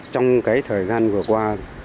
trong thời gian vừa qua